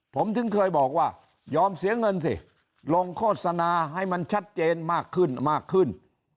ผมถึงเคยบอกว่ายอมเสียเงินสิลงโฆษณาให้มันชัดเจนมากขึ้นมากขึ้น